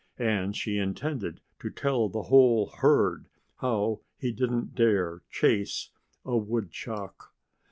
And she intended to tell the whole herd how he didn't dare chase a woodchuck.